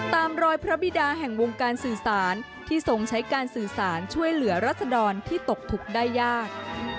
ตามรอยพระบิดาแห่งวงการสื่อสารที่ทรงใช้การสื่อสารช่วยเหลือรัศดรที่ตกทุกข์ได้ยาก